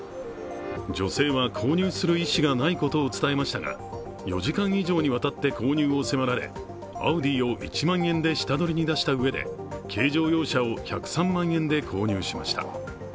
女性は購入する意思がないことを伝えましたが４時間以上にわたって購入を迫られ、アウディを１万円で下取りに出したうえで、軽乗用車を１０３万円で購入しました。